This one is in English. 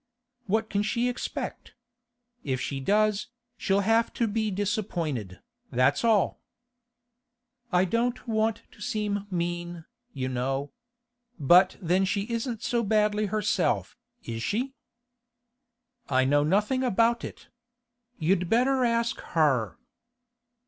'What can she expect? If she does, she'll have to be disappointed, that's all.' 'I don't want to seem mean, you know. But then she isn't so badly herself, is she?' 'I know nothing about it. You'd better ask her.